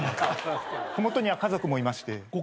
麓には家族もいまして。